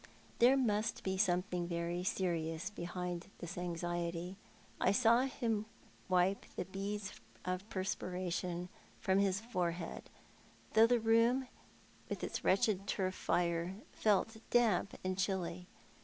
There must be something very serious behind this anxiety, I saw him wijoe the beads of perspiration from his forehead, though the room, with its wretched turf fire, felt damp and chilly.